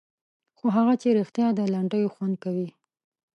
خو هغه چې رښتیا د لنډیو خوند کوي.